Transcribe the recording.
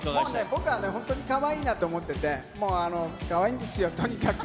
僕は本当にかわいいなと思ってて、もうかわいいんですよ、とにかく。